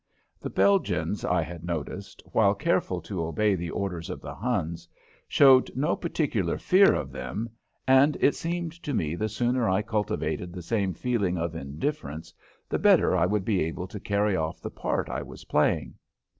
The Belgians, I had noticed, while careful to obey the orders of the Huns, showed no particular fear of them, and it seemed to me the sooner I cultivated the same feeling of indifference the better I would be able to carry off the part I was playing.